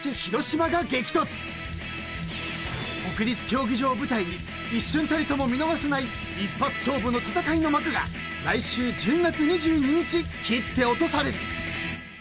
［国立競技場を舞台に一瞬たりとも見逃せない一発勝負の戦いの幕が来週１０月２２日切って落とされる］